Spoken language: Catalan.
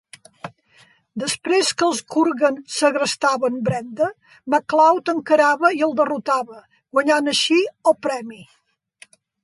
Després que els Kurgan segrestaven Brenda, MacLeod encarava i el derrotava, guanyant així "el premi".